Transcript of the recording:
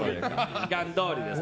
時間どおりです。